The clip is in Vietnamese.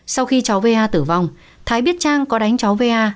sau khi cháu va tử vong thái biết trang có đánh cháu va